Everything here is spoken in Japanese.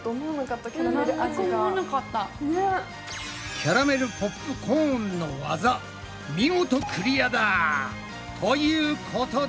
キャラメルポップコーンのワザ見事クリアだ！ということで。